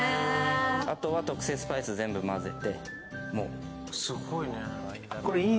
あとは特製スパイスを全部混ぜて。